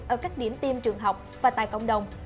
ở các điểm tiêm trường học và tại cộng đồng